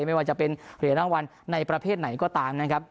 ไม่ว่าจะเป็นเหรียญรางวัลในประเภทไหนก็ตามนะครับ